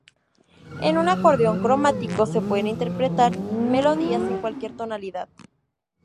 En un acordeón cromático se pueden interpretar melodías en cualquier tonalidad.